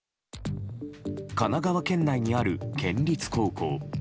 神奈川県内にある県立高校。